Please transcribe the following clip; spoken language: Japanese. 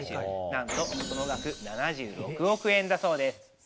なんとその額７６億円だそうです。